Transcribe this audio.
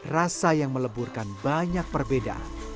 rasa yang meleburkan banyak perbedaan